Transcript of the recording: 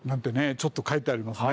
ちょっと書いてありますね。